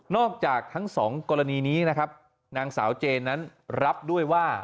อกจากทั้งสองกรณีนี้นะครับนางสาวเจนนั้นรับด้วยว่า